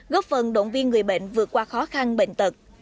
góp phần động viên người bệnh vượt qua khó khăn bệnh tật